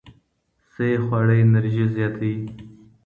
صحي خواړه انرژي زیاتوي.